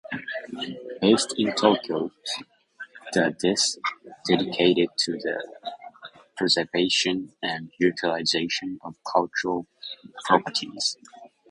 Based in Tokyo, the is dedicated to the preservation and utilization of cultural properties.